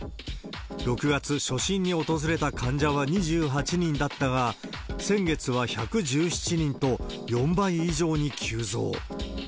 ６月、初診に訪れた患者は２８人だったが、先月は１１７人と、４倍以上に急増。